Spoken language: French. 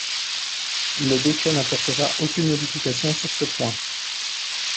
Le décret n’apportera aucune modification sur ce point.